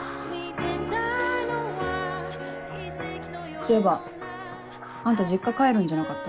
そういえばあんた実家帰るんじゃなかった？